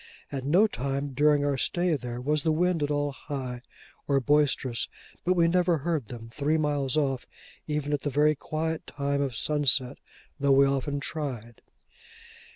At no time during our stay there, was the wind at all high or boisterous, but we never heard them, three miles off, even at the very quiet time of sunset, though we often tried.